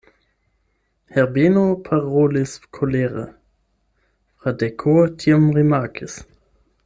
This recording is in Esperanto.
Herbeno parolis kolere: Fradeko tion rimarkis.